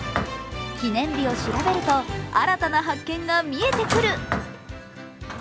記念日を調べると、新たな発見が見えてくる。